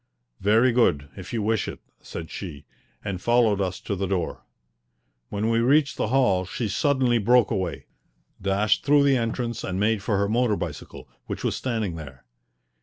"Very good, if you wish it," said she, and followed us to the door. When we reached the hall she suddenly broke away, dashed through the entrance, and made for her motor bicycle, which was standing there.